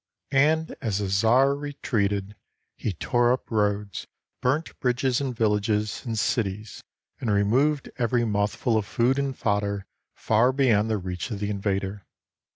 And as the czar re treated, he tore up roads, burnt bridges and villages and cities, and removed every mouthful of food and fodder far beyond the reach of the invader.